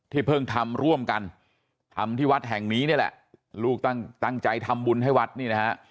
ที่เพิ่งทำร่วมกันทำวัดแห่งมีนี่แหละลูกตั้งใจทำบุญให้วัดนี่นะ